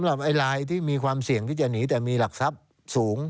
ไอ้ลายที่มีความเสี่ยงที่จะหนีแต่มีหลักทรัพย์สูง